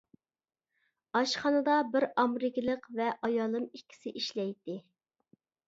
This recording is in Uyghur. ئاشخانىدا بىر ئامېرىكىلىق ۋە ئايالىم ئىككىسى ئىشلەيتتى.